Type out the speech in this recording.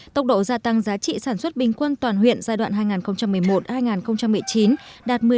tốc độ gia tăng giá trị sản xuất bình quân toàn huyện giai đoạn hai nghìn một mươi một hai nghìn một mươi chín đạt một mươi năm